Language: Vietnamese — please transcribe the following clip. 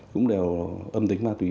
cũng đều âm tính ma túy